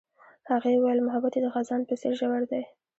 هغې وویل محبت یې د خزان په څېر ژور دی.